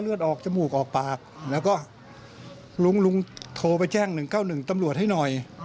ออกจมูกออกปากแล้วก็ลุงลุงโทรไปแจ้ง๑๙๑ตำรวจให้หน่อย